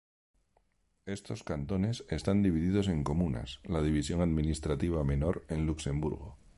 Estos cantones están divididos en comunas, la división administrativa menor en Luxemburgo.